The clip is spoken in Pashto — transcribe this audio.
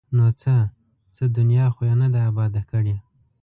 ـ نو څه؟ څه دنیا خو یې نه ده اباد کړې!